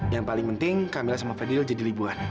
yang paling penting kamila sama fadil jadi libuan